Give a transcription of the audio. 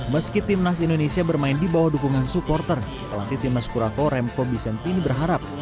meski timnas indonesia bermain di bawah dukungan supporter pelatih timnas kurato remko bisentini berharap